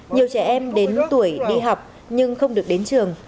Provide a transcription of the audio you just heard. nhiều trẻ em đến tuổi đi học nhưng không được đến trường